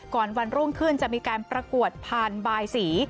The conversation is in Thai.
วันรุ่งขึ้นจะมีการประกวดผ่านบายสี